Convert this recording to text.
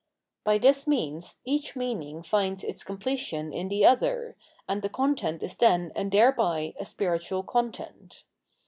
By this means each meaning finds its completion in the, other, and the content is then and thereby a spiritual content.